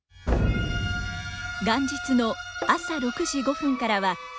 元日の朝６時５分からは舞楽。